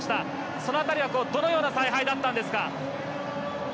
その辺りは、どのような采配だったんですか？